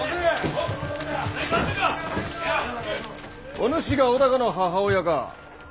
お主が尾高の母親か。